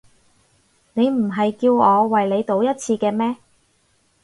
你唔係叫我為你賭一次嘅咩？